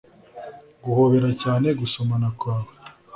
guhobera cyane, gusomana kwanjye